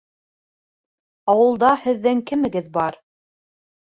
Ауылда һеҙҙең кемегеҙ бар?